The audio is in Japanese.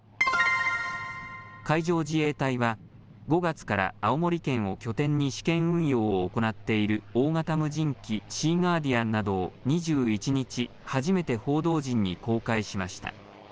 海上自衛隊は５月から青森県を拠点に試験運用を行っている大型無人機、シーガーディアンなどを２１日、初めて報道陣に公開しました。